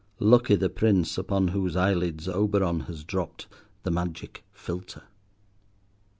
Lucky the prince upon whose eyelids Oberon has dropped the magic philtre.